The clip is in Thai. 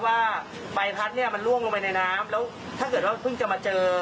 ว่าใบพัดเนี่ยมันล่วงลงไปในน้ำแล้วถ้าเกิดว่าเพิ่งจะมาเจอ